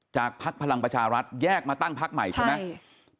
พักพลังประชารัฐแยกมาตั้งพักใหม่ใช่ไหม